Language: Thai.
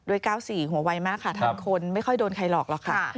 ด้วย๙๔หัววัยมากค่ะทุกคนไม่ค่อยโดนใครหรอกหรอกค่ะ